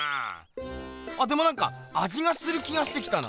でもなんかあじがする気がしてきたな。